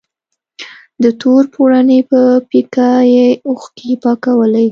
د تور پوړني په پيڅکه يې اوښکې پاکولې.